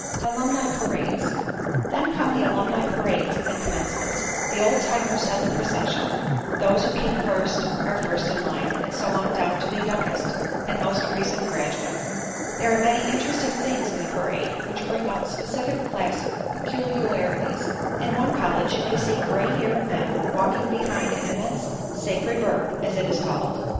ALUMNI PARADES Then come the alumni parades at Commencement. The old timers head the procession; those who came first, are first in line, and so on down to the youngest and most recent graduate. There are many interesting things in the parade, which bring out specific class peculiarities. In one college you may see gray haired men walking behind an immense Sacred Bird, as it is called.